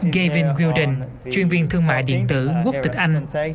gavin wilden chuyên viên thương mại điện tử quốc tịch anh